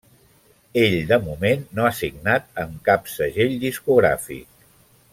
Ell de moment no ha signat amb cap segell discogràfic.